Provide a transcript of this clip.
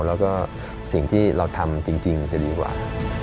แล้วก็สิ่งที่เราทำจริงจะดีกว่า